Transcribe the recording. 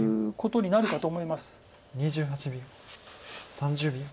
３０秒。